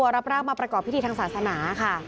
ครอบครัวรับรากมาประกอบพิธีทางศาสนาค่ะ